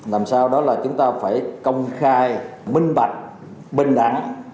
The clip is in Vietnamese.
làm sao đó là chúng ta phải công khai minh bạch bình đẳng